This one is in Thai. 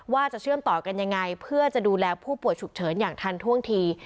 เชื่อมต่อกันยังไงเพื่อจะดูแลผู้ป่วยฉุกเฉินอย่างทันท่วงที